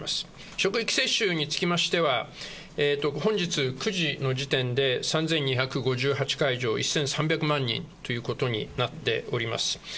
職域接種につきましては、本日９時の時点で、３２５８会場、１３００万人ということになっております。